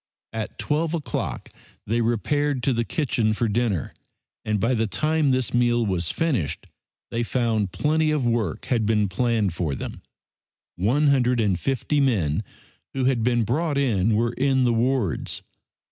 At 12 o'clock they repaired to the kitchen for dinner, and by the time this meal was finished they found plenty of work had been planned for them. One hundred and fifty men who had been brought in were in the wards.